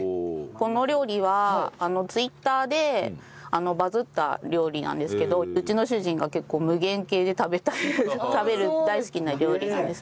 この料理はＴｗｉｔｔｅｒでバズった料理なんですけどうちの主人が結構無限系で食べる大好きな料理なんです。